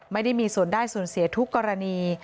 ไม่ได้มีส่วนได้ส่วนเสียทุกกรณี